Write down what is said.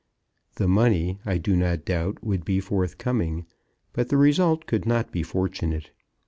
The money, I do not doubt, would be forthcoming; but the result could not be fortunate.